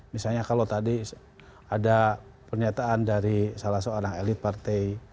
misalnya kalau tadi ada pernyataan dari salah seorang elit partai